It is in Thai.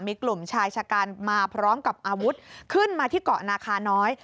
มีกลุ่มชายชะกันมาพร้อมกับอาวุธขึ้นมาที่เกาะนาคาน้อย